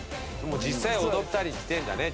実際踊ったりしてるんだね